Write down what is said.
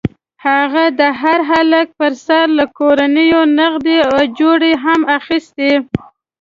هغه د هر هلک پر سر له کورنیو نغده اجوره هم اخیسته.